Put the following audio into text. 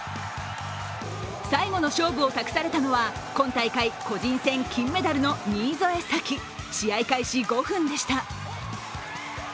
最後の勝負を託されたのは今大会、個人戦金メダルの新添左季試合開始５分でした。